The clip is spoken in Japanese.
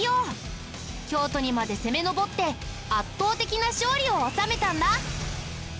京都にまで攻め上って圧倒的な勝利を収めたんだ。